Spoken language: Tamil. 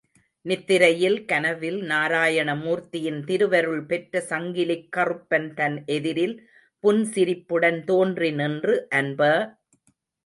நித்திரையில் கனவில், நாராயணமூர்த்தியின் திருவருள்பெற்ற சங்கிலிக்கறுப்பன் தன் எதிரில் புன்சிரிப்புடன் தோன்றி நின்று அன்ப!